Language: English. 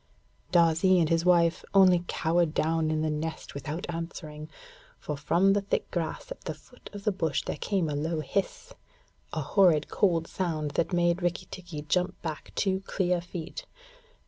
Darzee and his wife only cowered down in the nest without answering, for from the thick grass at the foot of the bush there came a low hiss a horrid cold sound that made Rikki tikki jump back two clear feet.